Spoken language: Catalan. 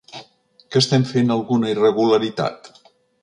Que estem fent alguna irregularitat?